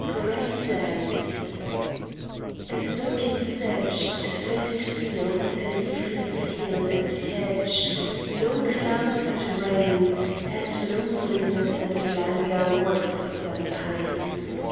Gray Days A soaking sedge, A faded field, a leafless hill and hedge, Low clouds and rain, And loneliness and languor worse than pain.